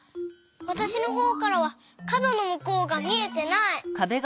わたしのほうからはかどのむこうがみえてない！